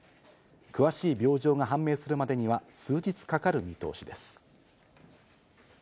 詳しい病状が判明するまでには数日かかる見通しです。